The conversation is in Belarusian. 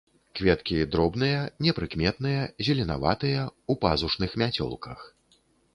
Кветкі дробныя, непрыкметныя, зеленаватыя, у пазушных мяцёлках.